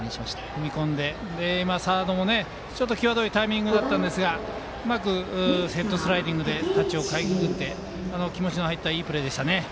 踏み込んでサードもちょっと際どいタイミングだったんですがうまくヘッドスライディングでタッチをかいくぐって気持ちの入ったいいプレーでした。